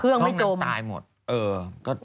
เครื่องมันตายหมดเออ